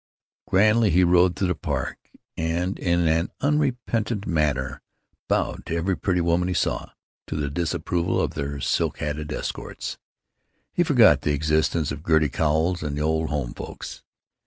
Grandly he rode through the Park, and in an unrepentant manner bowed to every pretty woman he saw, to the disapproval of their silk hatted escorts. He forgot the existence of Gertie Cowles and the Old Home Folks.